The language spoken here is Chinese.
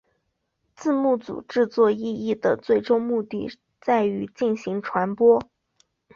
字幕组制作字幕的最终目的在于进行传播。